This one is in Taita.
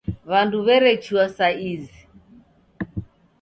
W'andu werechua sa izi.